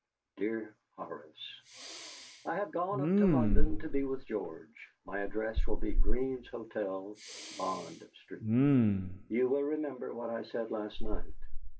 "DEAR HORACE, "I have gone up to London to be with George. My address will be Green's Hotel, Bond Street. You will remember what I said last night.